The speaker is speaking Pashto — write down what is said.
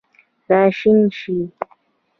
راشین شي